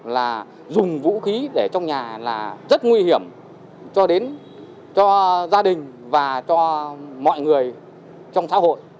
là dùng vũ khí để trong nhà là rất nguy hiểm cho đến cho gia đình và cho mọi người trong xã hội